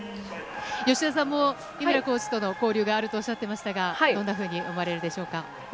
吉田さんも井村コーチとの交流があるとおっしゃってましたが、どんなふうに思われますか？